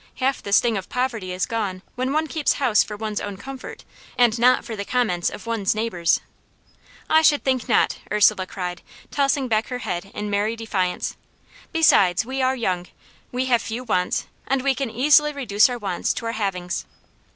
Half the sting of poverty is gone when one keeps house for one's own comfort, and not for the comments of one's neighbours." "I should think not," Ursula cried, tossing back her head in merry defiance. "Besides, we are young, we have few wants, and we can easily reduce our wants to our havings."